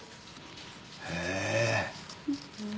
へえ。